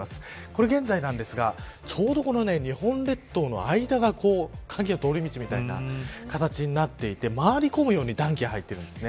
これ現在ですがちょうど日本列島の間が寒気の通り道みたいな形になっていて回り込むように暖気が入っているんです。